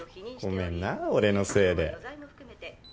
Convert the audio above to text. ごめんな俺のせいで。